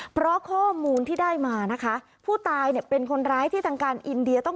เพราะข้อมูลที่ได้มาผู้ตายเป็นคนร้ายที่ต้องการเอนเดีย